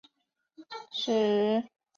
史丹福路是在新加坡的一条单行道。